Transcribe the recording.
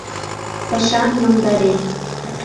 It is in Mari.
— Кышам йомдарен.